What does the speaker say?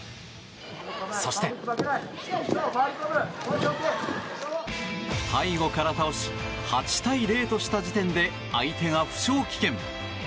そして、背後から倒し８対０とした時点で相手が負傷棄権。